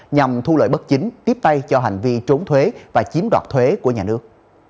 nhằm thu lợi bất chính tiếp tay cho hành vi trốn thuế và chiếm đoạt thuế của nhà nước